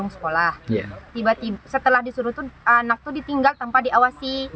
setelah disuruh itu anak itu ditinggal tanpa diawasi